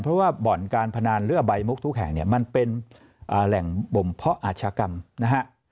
เพราะว่าบ่อนการพนันเรือใบมุกทุกแห่งเนี่ยมันเป็นแหล่งบ่มเพาะอาชากรรมนะฮะ